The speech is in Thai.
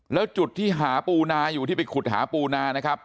แล้วจุดที่หาปูนาอยู่ที่ไปขุดหาปูนานะครับ